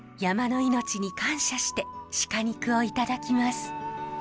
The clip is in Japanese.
山の命に感謝してシカ肉をいただきます。